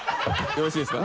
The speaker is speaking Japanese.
よろしいですか？